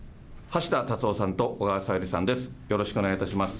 橋田達夫さんと小川さゆりさんです。